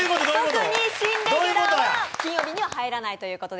特に新レギュラーは金曜日には入らないということで。